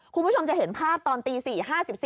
คุณผู้ชมจะเห็นภาพตอนตี๔๕๔